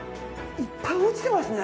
いっぱい落ちてますね。